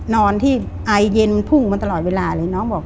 นอนที่ไอเย็นพุ่งมันตลอดเวลาเลย